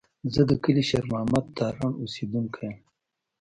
زه د کلي شېر محمد تارڼ اوسېدونکی یم.